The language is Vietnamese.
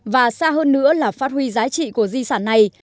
và xa hơn nữa là phát huy giá trị của di sản này